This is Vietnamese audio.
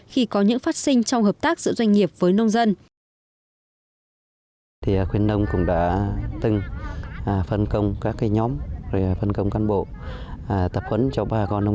khi có những phát sinh trong hợp tác giữa doanh nghiệp với nông dân